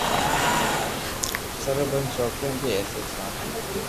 شرو ٻن ڇوڪرن جي حيثيت سان ٿي،